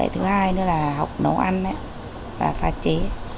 thứ hai nữa là học nấu ăn và pha chế